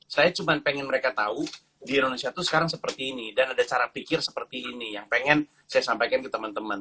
saya cuma pengen mereka tahu di indonesia itu sekarang seperti ini dan ada cara pikir seperti ini yang pengen saya sampaikan ke teman teman